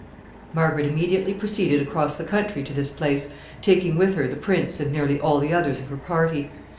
Margaret immediately proceeded across the country to this place, taking with her the prince and nearly all the others of her party.